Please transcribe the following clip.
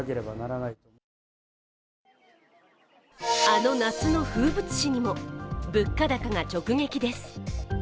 あの夏の風物詩にも、物価高が直撃です。